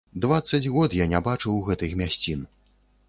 Дваццаць год я не бачыў гэтых мясцін.